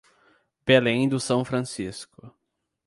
Belém do São Francisco